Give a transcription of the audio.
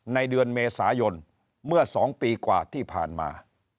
ในเดือนเมษายนเมื่อ๒ปีกว่าที่ผ่านมา